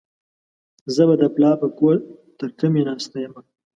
زه به د پلار په کور ترکمي ناسته يمه.